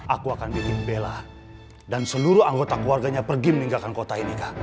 aku akan bikin bella dan seluruh anggota keluarganya pergi meninggalkan kota ini